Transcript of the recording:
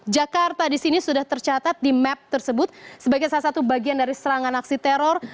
jakarta di sini sudah tercatat di map tersebut sebagai salah satu bagian dari serangan aksi teror